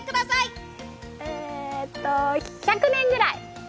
えーっと１００年ぐらい？